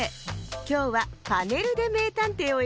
きょうは「パネルでめいたんてい」をやるわよ。